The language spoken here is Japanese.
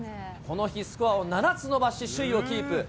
この日、スコアを７つ伸ばし、首位をキープ。